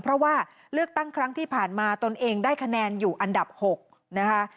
เพราะว่าเลือกตั้งครั้งที่ผ่านมาตนเองได้คะแนนอยู่อันดับ๖นะคะ